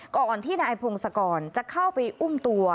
ก่อนที่นายพงศกรจะเข้าไปอุ้มตัว